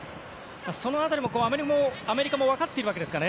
その辺りもアメリカも分かっている訳ですかね。